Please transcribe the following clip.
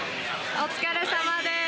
お疲れさまです。